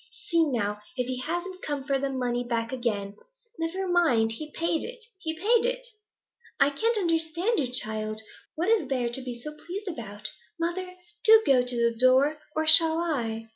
See, now, if he hasn't come for the money back again.' 'Never mind; he paid it! He paid it!' 'I can't understand you, child. What is there to be so pleased about?' 'Mother, do go to the door. Or shall I?'